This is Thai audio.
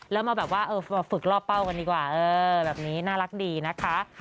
แล้วมาแบบว่าฝึกรอบเป้ากันดีกว่าแบบนี้น่ารักดีนะคะ